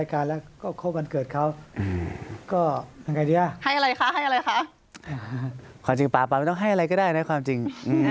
ขอจริงป๊าต้องให้อะไรก็ได้นะความจริง